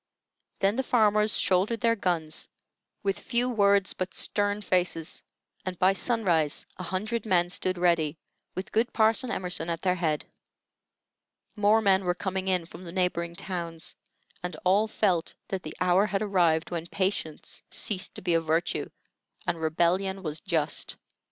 Then the farmers shouldered their guns, with few words but stern faces, and by sunrise a hundred men stood ready, with good Parson Emerson at their head. More men were coming in from the neighboring towns, and all felt that the hour had arrived when patience ceased to be a virtue and rebellion was just.